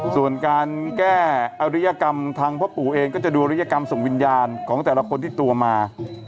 ส่วนการแก้อริยกรรมทางพ่อปู่เองก็จะดูริยกรรมส่งวิญญาณของแต่ละคนที่ตัวมา